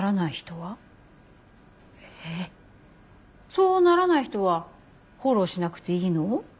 そうならない人はフォローしなくていいの？